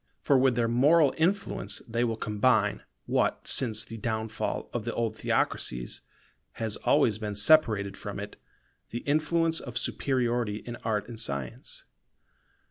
For with their moral influence they will combine what since the downfall of the old theocracies has always been separated from it, the influence of superiority in art and science.